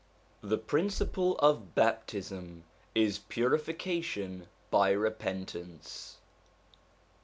The principle of baptism is purification by repentance.